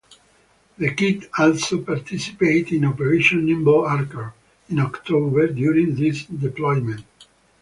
The Kidd also participated in Operation Nimble Archer in October, during this deployment.